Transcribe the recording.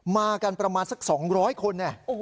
มากันประมาณสัก๒๐๐คน